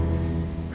tapi buat kerja